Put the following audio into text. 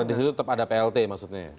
kalau di situ tetap ada plt maksudnya